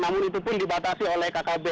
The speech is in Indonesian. namun itu pun dibatasi oleh kkb